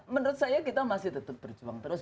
menurut saya kita masih tetap berjuang terus